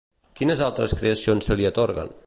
Quines altres creacions se li atorguen?